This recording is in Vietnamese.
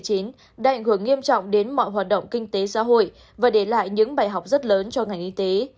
dịch covid một mươi chín đã ảnh hưởng nghiêm trọng đến mọi hoạt động kinh tế xã hội và để lại những bài học rất lớn cho ngành y tế